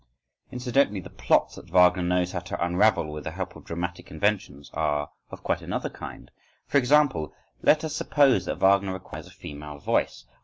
… Incidentally, the plots that Wagner knows how to unravel with the help of dramatic inventions, are of quite another kind. For example, let us suppose that Wagner requires a female voice.